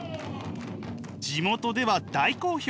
地元では大好評。